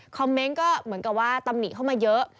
เมนต์ก็เหมือนกับว่าตำหนิเข้ามาเยอะ